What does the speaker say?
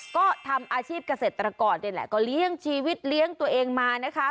ก็ทำอาชีพเกษตรกรนี่แหละก็เลี้ยงชีวิตเลี้ยงตัวเองมานะคะ